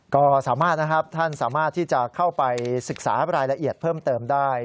ก็สามารถนะครับท่านสามารถที่จะเข้าไปศึกษารายละเอียดเพิ่มเติมได้